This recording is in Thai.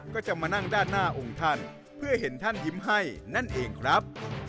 ก็จะมานั่งด้านหน้าองค์ท่านเพื่อเห็นท่านยิ้มให้นั่นเองครับ